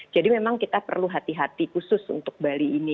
jadi memang kita perlu hati hati khusus untuk bali ini